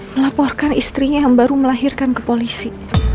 melaporkan istrinya yang baru melahirkan ke polisi